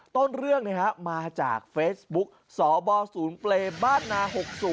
ต้นเรื่องมาจากเฟซบุ๊กสบศูนย์เปรย์บ้านนา๖๐